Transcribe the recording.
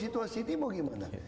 situasi ini mau gimana